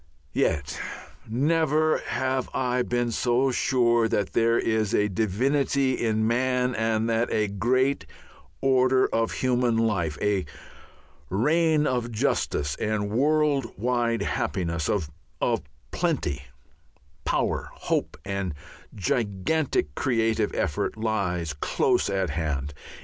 Yet never have I been so sure that there is a divinity in man and that a great order of human life, a reign of justice and world wide happiness, of plenty, power, hope, and gigantic creative effort, lies close at hand.